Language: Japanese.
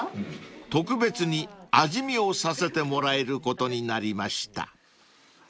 ［特別に味見をさせてもらえることになりました］